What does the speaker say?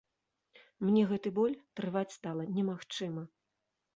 Мне гэты боль трываць стала немагчыма.